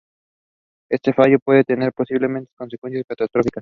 Este fallo puede tener posiblemente consecuencias catastróficas.